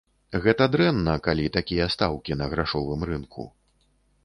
Гэта дрэнна, калі такія стаўкі на грашовым рынку.